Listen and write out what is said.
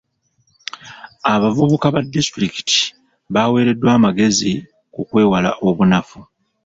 Abavubuka ba disitulikiti baweereddwa amagezi ku kwewala obunafu.